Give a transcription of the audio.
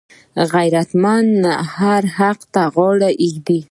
غیرتمند هر حق ته غاړه ږدي